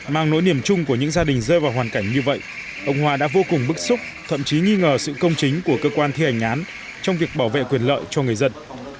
mang nỗi niềm chung của những gia đình rơi vào hoàn cảnh như vậy ông hòa đã vô cùng bức xúc thậm chí nghi ngờ sự công chính của cơ quan thi hành án trong việc bảo vệ quyền lợi cho người dân